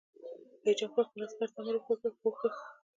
رئیس جمهور خپلو عسکرو ته امر وکړ؛ پوښښ!